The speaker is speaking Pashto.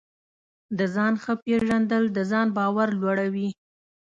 د ځان ښه پېژندل د ځان باور لوړوي.